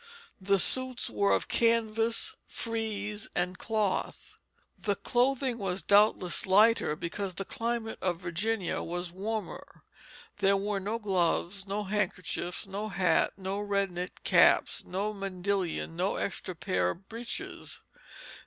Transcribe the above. The suits were of canvas, frieze, and cloth. The clothing was doubtless lighter, because the climate of Virginia was warmer. There were no gloves, no handkerchiefs, no hat, no red knit caps, no mandillion, no extra pair of breeches.